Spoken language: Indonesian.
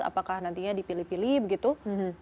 apakah nantinya dipilih pilih